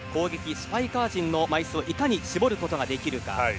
スパイカー陣の枚数を以下に絞ることができるか。